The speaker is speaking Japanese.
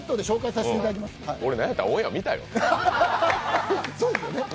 なんやったらオンエア見たよ。